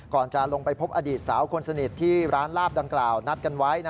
จะลงไปพบอดีตสาวคนสนิทที่ร้านลาบดังกล่าวนัดกันไว้